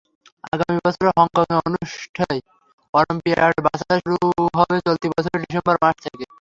আগামী বছরে হংকংয়ে অনুষ্ঠেয় অলিম্পিয়াডের বাছাই শুরু হবে চলতি বছরের ডিসেম্বর মাস থেকে।